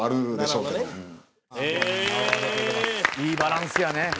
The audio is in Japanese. いいバランスやね。